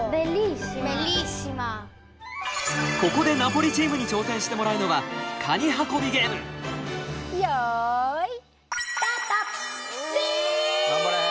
ここでナポリチームに挑戦してもらうのはよい頑張れ。